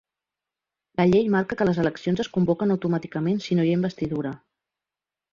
La llei marca que les eleccions es convoquen automàticament si no hi ha investidura.